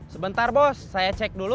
sebentar bos saya cek dulu